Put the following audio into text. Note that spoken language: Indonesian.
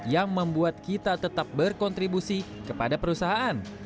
yang membuat kita tetap berkontribusi kepada perusahaan